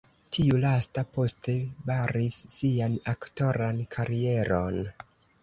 Tiu lasta poste baris sian aktoran karieron.